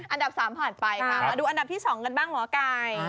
อันดับ๓ผ่านไปดูอันดับที่๒กันได้บ้างเหรอกาย